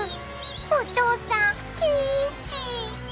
お父さんピンチ！